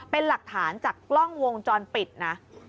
เป็นหลักฐานจากกล้องวงจรปิดนะ